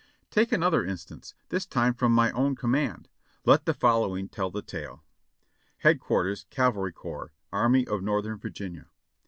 Take another instance, this time from my own command. Let the following tell the tale : "Hdqrs. Cav. Corps, Armv of Northern Virginia.